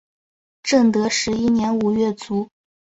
正德十一年五月卒。